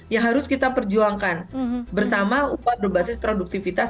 yang harus kita perjuangkan bersama upah berbasis produktivitas